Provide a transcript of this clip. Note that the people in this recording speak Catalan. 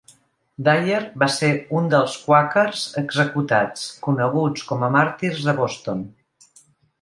Dyer va ser un dels quàquers executats, coneguts com a màrtirs de Boston.